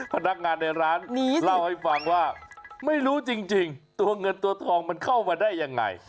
พนักงานในร้านเล่าให้ฟังว่าไม่รู้จริงตัวเงินตัวทองมันเข้ามาได้ยังไง